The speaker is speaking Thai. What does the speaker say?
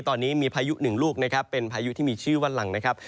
ตอนนี้มีพายุหนึ่งลูกนะครับเป็นพายุที่มีชื่อว่าหลังนะครับ